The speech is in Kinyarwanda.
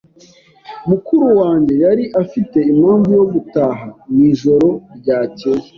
Mukuru wanjye yari afite impamvu yo gutaha mu ijoro ryakeye.